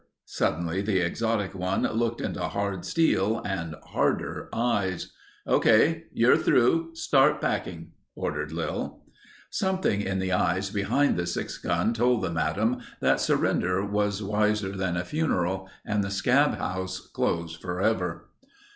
Suddenly the exotic one looked into hard steel and harder eyes. "Okay. You're through. Start packing," ordered Lil. Something in the eyes behind the six gun told the madam that surrender was wiser than a funeral and the scab house closed forever.